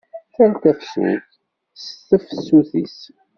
Tal tafsut, s tefsut-is.